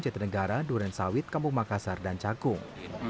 jatidegara durensawit kampung makassar dan cagung